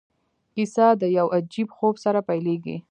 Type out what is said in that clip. کیسه د یو عجیب خوب سره پیلیږي.